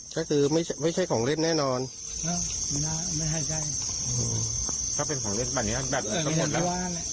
ถ้าเกิดไม่ใช่ไม่ใช่ของเล่นแน่นอนไม่ใช่ถ้าเป็นของเล่นบรรยาทั้งหมดแล้ว